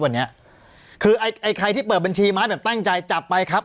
วันนี้คือไอ้ใครที่เปิดบัญชีไม้แบบตั้งใจจับไปครับ